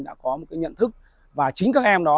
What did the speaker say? đã có một cái nhận thức và chính các em đó